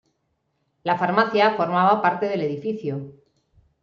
La farmacia formaba parte del edificio.